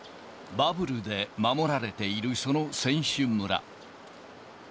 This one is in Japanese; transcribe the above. バブルで守られているその選手村。